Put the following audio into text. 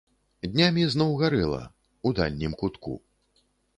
Днямі зноў гарэла, у дальнім кутку.